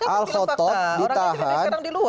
al khotob ditahan berbulan bulan